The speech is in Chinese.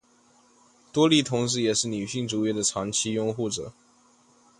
多莉同时也是女性主义的长期拥护者。